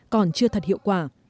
còn chưa thật hiệu quả